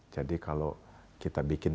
jadi kalau kita bikin